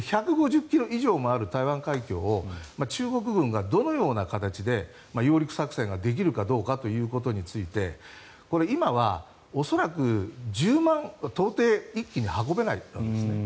１５０ｋｍ以上もある台湾海峡を中国軍がどのような形で揚陸作戦ができるかどうかということについて今は恐らく１０万到底一気に運べないわけです。